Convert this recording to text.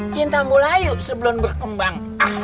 cinta melayu sebelum berkembang